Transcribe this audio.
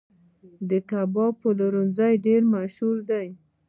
د کباب پلورنځي ډیر مشهور دي